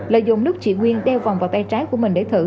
lợi dụng lúc chị nguyên đeo vòng vào tay trái của mình để thử